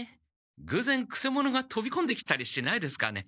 ぐうぜんくせ者がとびこんできたりしないですかね？